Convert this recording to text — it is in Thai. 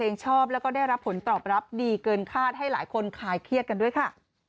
ชอบแล้วก็ได้รับผลตอบรับดีเกินคาดให้หลายคนคลายเครียดกันด้วยค่ะ